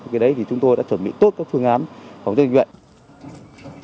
cái đấy thì chúng tôi đã chuẩn bị tốt các phương án phòng chống dịch bệnh